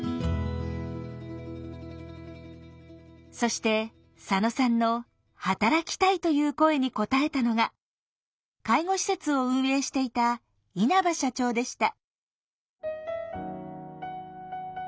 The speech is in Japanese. そして佐野さんの「働きたい」という声に応えたのが介護施設を運営していた稲葉社長でした。